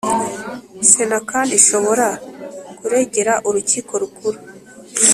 Sena kandi ishobora kuregera Urukiko Rukuru